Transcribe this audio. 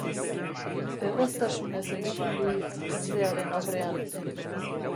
Erraztasunez egiten du hitz jendearen aurrean.